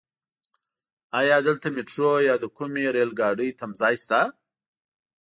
ايا دلته ميټرو يا د کومې رايل ګاډی تمځای شته؟